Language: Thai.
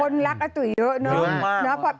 คนรักอาตุ๋ยเยอะเนอะคนรัก